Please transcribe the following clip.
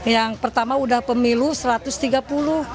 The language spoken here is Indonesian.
yang pertama udah pemilu rp satu ratus tiga puluh